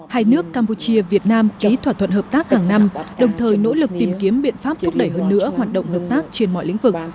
hai nước campuchia việt nam ký thỏa thuận hợp tác hàng năm đồng thời nỗ lực tìm kiếm biện pháp thúc đẩy hơn nữa hoạt động hợp tác trên mọi lĩnh vực